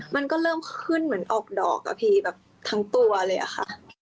มันก็เริ่มขึ้นเหมือนออกดอกทั้งตัวเลยค่ะ